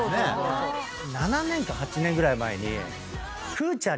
７年か８年ぐらい前に。